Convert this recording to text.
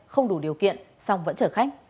không đủ điều kiện xong vẫn trở khách